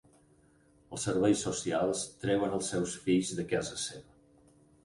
Els serveis socials treuen els seus fills de casa seva.